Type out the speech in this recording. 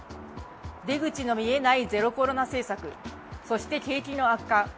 出口の見えないゼロコロナ政策、そして景気の悪化